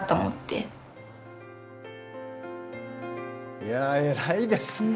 いやぁ偉いですね！